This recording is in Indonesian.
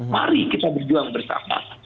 mari kita berjuang bersama